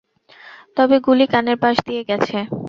তবে গুলি কানের পাশ দিয়ে গেছে।